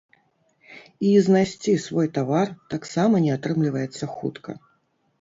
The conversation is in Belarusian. І знайсці свой тавар таксама не атрымліваецца хутка.